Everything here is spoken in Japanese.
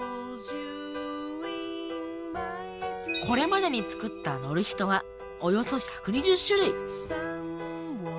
これまでに作った乗る人はおよそ１２０種類！